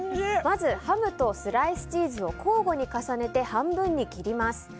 まずハムとスライスチーズを交互に重ねて半分に切ります。